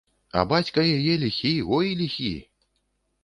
А бацька яе ліхі, ой, ліхі!